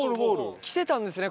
来てたんですね